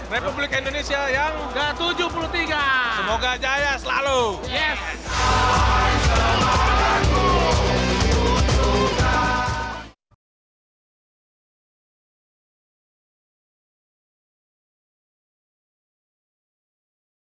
republik indonesia yang ke tujuh puluh tiga